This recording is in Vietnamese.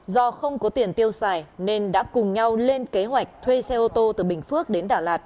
do không có tiền tiêu xài nên đã cùng nhau lên kế hoạch thuê xe ô tô từ bình phước đến đà lạt